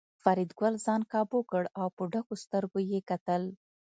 فریدګل ځان کابو کړ او په ډکو سترګو یې کتل